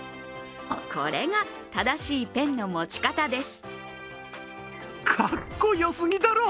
これが、正しいペンの持ち方です。